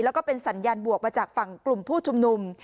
แล้วก็เป็นสัญญาณบวกมาจากฝั่งกลุ่มผู้ชุมนุม